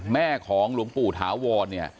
แม่ของหลวงปู่ถาวรเนี่ย